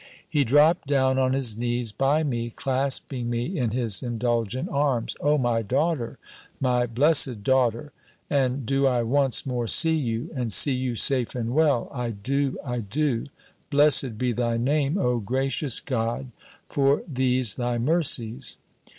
He dropped down on his knees by me, clasping me in his indulgent arms: "O my daughter! My blessed daughter! And do I once more see you! And see you safe and well! I do! I do! Blessed be thy name, O gracious God, for these thy mercies!"